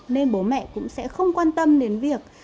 nên bố mẹ cũng sẽ không quan tâm đến việc